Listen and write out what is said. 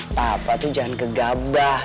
apa apa tuh jangan gegabah